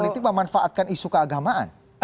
jadi itu memanfaatkan isu keagamaan